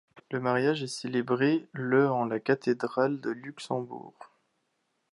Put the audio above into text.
Leur mariage est célébré le en la cathédrale de Luxembourg.